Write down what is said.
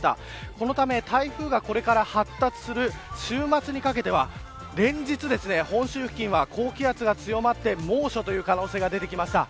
そのため、台風がこれから発達する週末にかけては連日、本州付近は高気圧が強まって猛暑という可能性が出てきました。